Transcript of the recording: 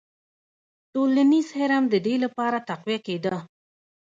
ټولنیز هرم د دې لپاره تقویه کېده.